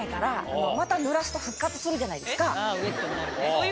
ウエットになるね。